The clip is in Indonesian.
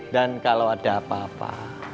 dan kalau ada apa apa